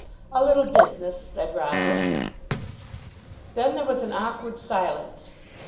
"A little business," said Roger. Then there was an awkward silence.